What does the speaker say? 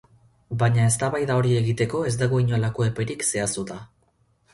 Baina eztabaida hori egiteko ez dago inolako eperik zehaztuta.